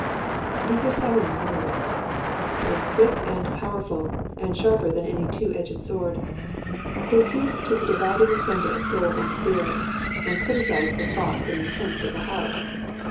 These are solemn words. They are quick and powerful, and sharper than any two edged sword. They pierce to the dividing asunder of soul and spirit, and criticise the thoughts and intents of the heart.